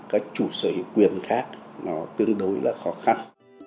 cái quyền khác nó tương đối là khó khăn